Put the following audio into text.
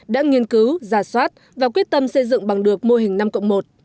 đã nghiên cứu giả soát và quyết tâm xây dựng bằng được mô hình năm cộng một